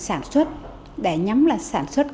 sản xuất để nhắm là sản xuất